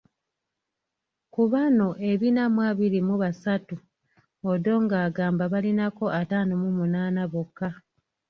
Ku bano ebina mu abiri mu basatu, Odongo agamba balinako ataano mu munaana bokka.